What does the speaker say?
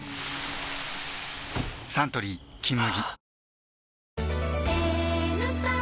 サントリー「金麦」